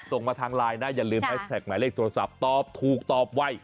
ส่งมาทางไลน์นะอย่าลืมแฮชแท็กหมายเลขโทรศัพท์ตอบถูกตอบไว